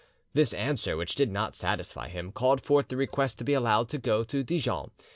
"'This answer, which did not satisfy him, called forth the request to be allowed to go to Dijon.